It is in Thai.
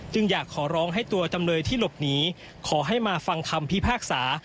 อยากขอร้องให้ตัวจำเลยที่หลบหนีขอให้มาฟังคำพิพากษา